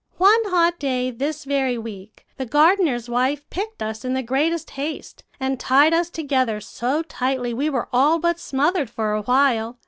One hot day this very week the gardener's wife picked us in the greatest haste, and tied us together so tightly we were all but smothered for a while.